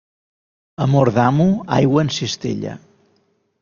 Amor d'amo, aigua en cistella.